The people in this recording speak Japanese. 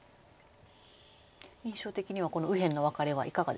印象的にはこの右辺のワカレはいかがですか？